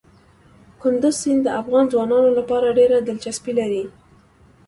کندز سیند د افغان ځوانانو لپاره ډېره دلچسپي لري.